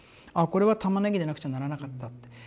あこれは「玉ねぎ」でなくちゃならなかったって。